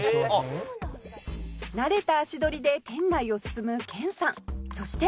「慣れた足取りで店内を進む研さん」「そして」